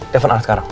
telepon al sekarang